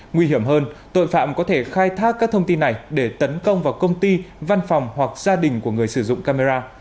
nguy hiểm hơn tội phạm có thể khai thác các thông tin này để tấn công vào công ty văn phòng hoặc gia đình của người sử dụng camera